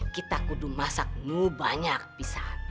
kita kudu masak mu banyak pisan